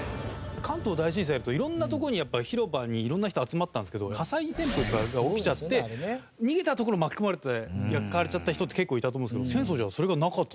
関東大震災だと色んなとこにやっぱり広場に色んな人集まったんですけど火災旋風が起きちゃって逃げたところを巻き込まれて焼かれちゃった人って結構いたと思うんですけど浅草寺はそれがなかった。